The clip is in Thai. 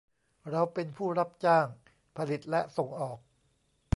เราเป็นผู้รับจ้างผลิตและส่งออก